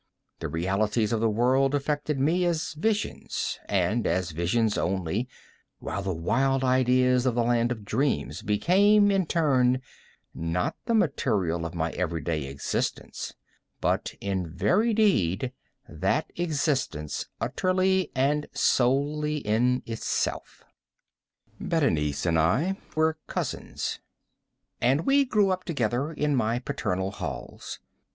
The realities of the world affected me as visions, and as visions only, while the wild ideas of the land of dreams became, in turn, not the material of my every day existence, but in very deed that existence utterly and solely in itself. Berenice and I were cousins, and we grew up together in my paternal halls.